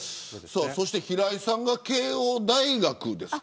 そして、平井さんが慶応大学ですか。